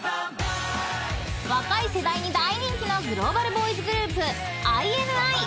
［若い世代に大人気のグローバルボーイズグループ］